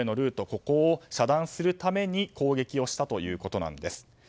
ここを遮断するために攻撃をしたということなんです。